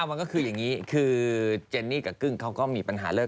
หนุ่มเป็นน้ำสมาธิ